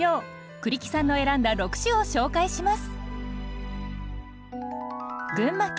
栗木さんの選んだ６首を紹介します。